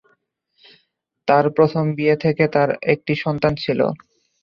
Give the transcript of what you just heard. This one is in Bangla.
তাঁর প্রথম বিয়ে থেকে তাঁর একটি সন্তান ছিল।